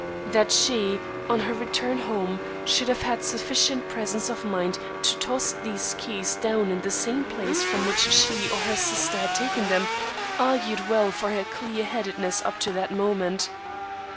That she, on her return home, should have had sufficient presence of mind to toss these keys down in the same place from which she or her sister had taken them, argued well for her clear headedness up to that moment.